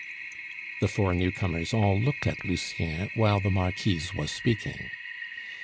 The four newcomers all looked at Lucien while the Marquise was speaking.